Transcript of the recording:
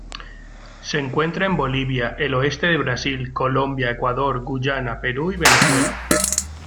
Se encuentra en Bolivia, el oeste de Brasil, Colombia, Ecuador, Guyana, Perú y Venezuela.